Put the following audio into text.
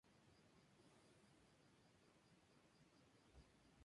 Los fabricados en Reino Unido continúan elaborados con azúcar.